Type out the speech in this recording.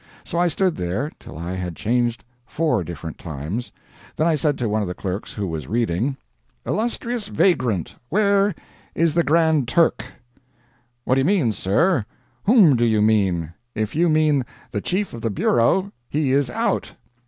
So I stood there till I had changed four different times. Then I said to one of the clerks who was reading: "Illustrious Vagrant, where is the Grand Turk?" "What do you mean, sir? whom do you mean? If you mean the Chief of the Bureau, he is out."